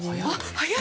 早い！